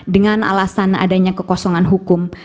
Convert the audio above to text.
dengan alasan adanya kekosongan hukum